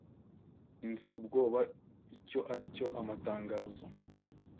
inzi ubwoba icyo aricyo Amatangazo